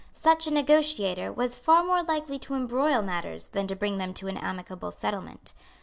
Such a negotiator was far more likely to embroil matters than to bring them to an amicable settlement.